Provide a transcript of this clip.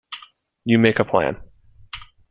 You make a plan.